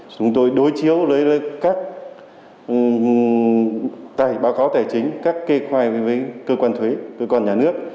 chúng tôi đối chiếu với các tài báo cáo tài chính các kê khoai với cơ quan thuế cơ quan nhà nước